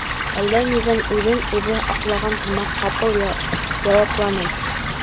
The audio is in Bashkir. Әллә ниҙән үҙен-үҙе аҡлаған һымаҡ, ҡапыл яуапланы: